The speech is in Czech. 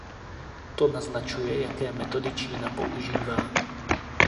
To naznačuje, jaké metody Čína používá.